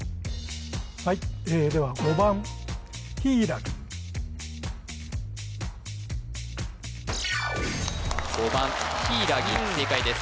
はいでは５番ひいらぎ正解です